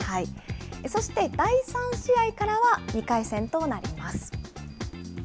そして第３試合からは、２回戦となります。